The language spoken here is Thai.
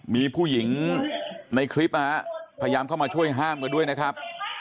มีผู้หญิงในคลิปนะฮะพยายามเข้ามาช่วยห้ามกันด้วยนะครับ